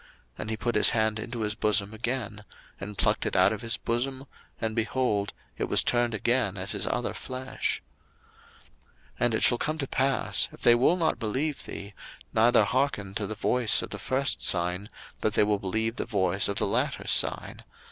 And he put his hand into his bosom again; and plucked it out of his bosom, and, behold, it was turned again as his other flesh. 02:004:008 And it shall come to pass, if they will not believe thee, neither hearken to the voice of the first sign, that they will believe the voice of the latter sign.